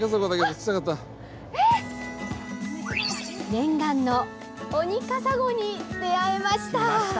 念願のオニカサゴに出会いました。